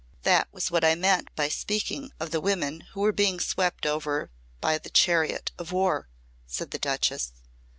"That was what I meant by speaking of the women who were being swept over by the chariot of war," said the Duchess.